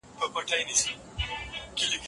ما د ښځې د ژړا پوښتنه وکړه.